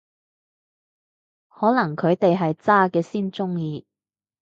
可能佢哋係渣嘅先鍾意